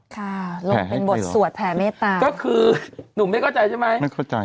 ค่ะลงเป็นบทสวดแผ่เมตตาก็คือหนุ่มไม่เข้าใจใช่ไหมไม่เข้าใจ